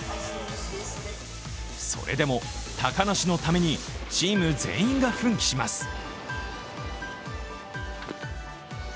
それでも、高梨のためにチーム全員が奮起します。